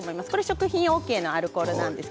食品ＯＫのアルコールです。